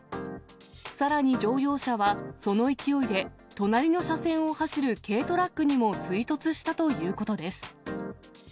さらに乗用車はその勢いで隣の車線を走る軽トラックにも追突したということです。